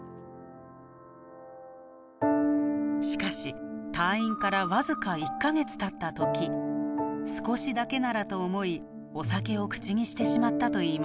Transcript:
しかし退院から僅か１か月たった時少しだけならと思いお酒を口にしてしまったといいます。